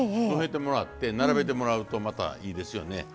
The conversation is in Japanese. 埋めてもらって並べてもらうとまたいいですよね。